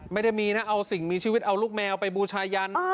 ไม่ได้มีนะเอาสิ่งมีชีวิตเอาลูกแมวไปบูชายัน